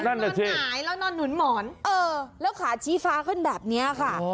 นอนหงายแล้วนอนหนุนหมอนแล้วขาชี้ฟ้าขึ้นแบบนี้ค่ะ